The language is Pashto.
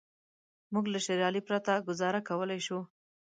موږ له شېر علي پرته ګوزاره کولای شو.